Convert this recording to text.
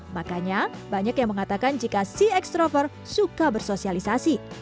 makanya banyak yang mengatakan jika si extrover suka bersosialisasi